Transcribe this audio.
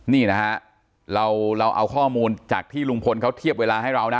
นี่นะฮะเราเอาข้อมูลจากที่ลุงพลเขาเทียบเวลาให้เรานะ